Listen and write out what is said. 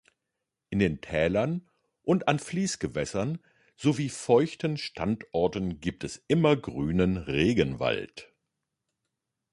In den Tälern und an Fließgewässern, sowie feuchten Standorten gibt es immergrünen Regenwald.